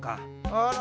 あら！